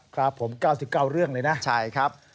ครับผม๙๙เรื่องเลยนะใช่ครับ